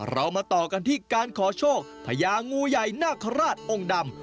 เรามาต่อกันที่การขอโชคพญางูใหญ่นาคาราชองค์ดำ